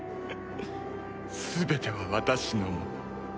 全ては私のもの。